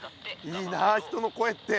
いいな人の声って。